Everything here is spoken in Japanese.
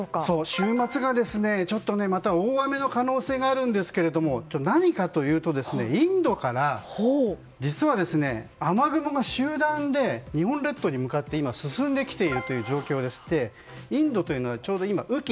週末がちょっとまた大雨の可能性があるんですが何かというと実は、インドから雨雲が集団で日本列島に向かって今、進んできている状況でしてインドというのはちょうど今、雨季。